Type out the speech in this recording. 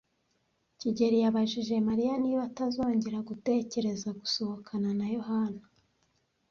kigeli yabajije Mariya niba atazongera gutekereza gusohokana na Yohana.